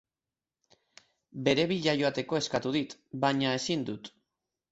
Bere bila joateko eskatu dit, baina ezin dut.